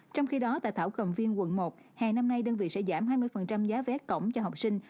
trong khi đó tại thảo cầm viên quận một hè năm nay đơn vị sẽ giảm hai mươi giá vé cổng cho học sinh